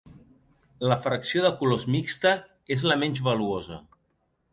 La fracció de colors mixta és la menys valuosa.